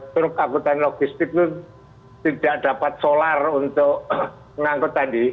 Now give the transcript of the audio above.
truk angkutan logistik itu tidak dapat solar untuk mengangkut tadi